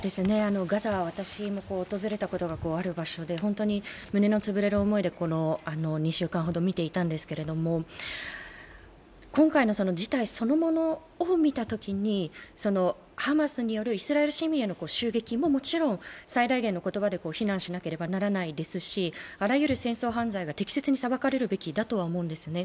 ガザは私も訪れたことがある場所で、本当に胸の潰れる思いでこの２週間ほど見ていたんですけれども今回の事態そのものを見たときにハマスによるイスラエル市民への攻撃ももちろん最大限の言葉で非難しなければならないですし、あらゆる戦争犯罪が適切に裁かれるべきだとは思うんですね。